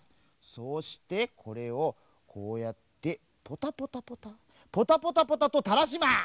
そしてこれをこうやってポタポタポタポタポタポタとたらします！